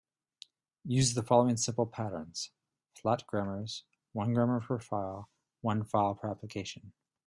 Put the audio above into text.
Use the following simple patterns: flat grammars, one grammar per file, one file per application.